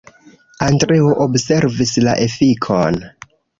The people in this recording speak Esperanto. Andreo observis la efikon.